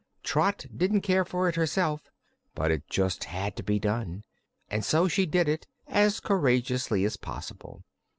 Trot didn't care for it, herself, but it just had to be done and so she did it as courageously as possible.